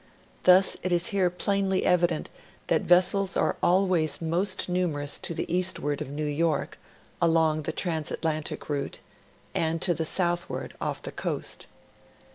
Thus it is here plainly evident that vessels are always most numerous to the eastward of New York (along the transatlantic route), and to the southward, off the coast.